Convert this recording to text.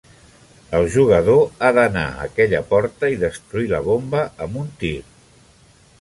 El jugador ha d"anar a aquella porta i destruir la bomba amb un tir.